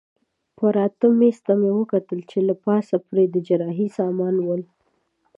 پراته مېز ته مې وکتل چې له پاسه پرې د جراحۍ سامانونه ول.